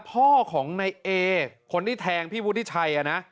พ่อของในเอคนที่แทงพี่วุฒิชัยนะ